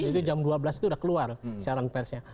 jadi jam dua belas itu sudah keluar siaran persnya